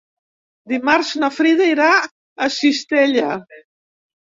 Dimarts na Frida irà a Cistella.